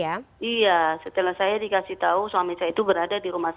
iya setelah saya dikasih tahu suami saya itu berada di rumah sakit